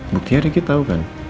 buktinya ricky tau kan